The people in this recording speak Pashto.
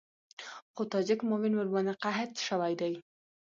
خو تاجک معاون ورباندې قحط شوی دی.